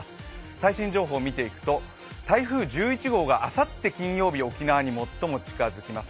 最新情報を見ていくと台風１１号があさって金曜日、沖縄に最も近づきます。